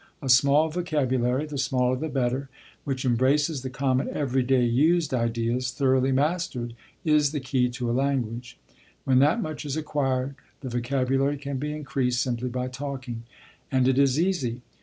A small vocabulary, the smaller the better, which embraces the common, everyday used ideas, thoroughly mastered, is the key to a language. When that much is acquired the vocabulary can be increased simply by talking. And it is easy.